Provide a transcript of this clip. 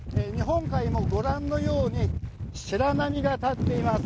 日本海もご覧のように白波が立っています。